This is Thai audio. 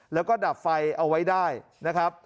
แล้วก็ดับไฟเอาไว้ได้นะครับ